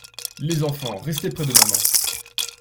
Les enfants, restez près de maman.